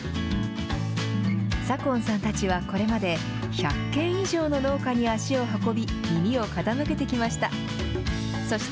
左今さんたちはこれまで、１００軒以上の農家に足を運び、耳を傾けてきました。